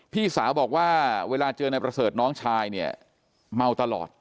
พี่สาวบอกว่าเวลาเจอนายประเสริฐน้องชายเนี่ยเมาตลอด